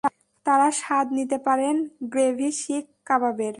তারা স্বাদ নিতে পারেন গ্রেভি শিক কাবাবের।